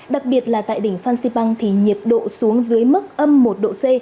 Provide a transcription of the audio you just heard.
đặc biệt là tại đỉnh phan xipang thì nhiệt độ xuống dưới mức âm một độ c